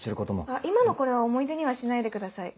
あっ今のこれは思い出にはしないでください。